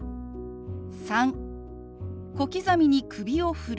３小刻みに首を振る。